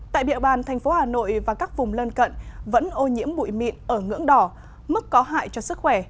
tại địa bàn thành phố hà nội và các vùng lân cận vẫn ô nhiễm bụi mịn ở ngưỡng đỏ mức có hại cho sức khỏe